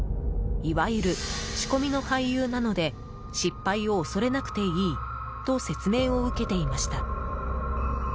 いわゆる仕込みの俳優なので失敗を恐れなくていいと説明を受けていました。